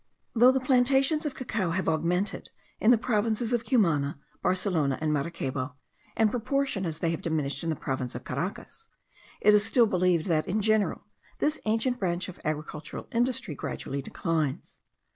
Though the plantations of cacao have augmented in the provinces of Cumana, Barcelona, and Maracaybo, in proportion as they have diminished in the province of Caracas, it is still believed that, in general, this ancient branch of agricultural industry gradually declines.